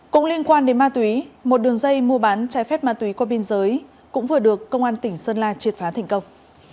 cũng liên quan đến ma túy một đường dây mua bán trái phép ma túy qua biên giới cũng vừa được công an tỉnh sơn la triệt phá thành công